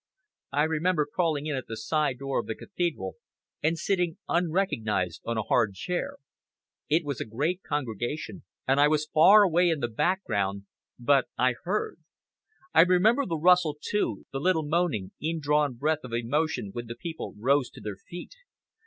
I remember crawling in at the side door of the Cathedral and sitting unrecognised on a hard chair. It was a great congregation, and I was far away in the background, but I heard. I remember the rustle, too, the little moaning, indrawn breath of emotion when the people rose to their feet.